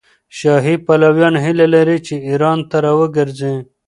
شاهي پلویان هیله لري چې ایران ته راوګرځي.